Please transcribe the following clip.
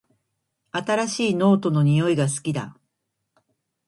新しいノートの匂いが好きだ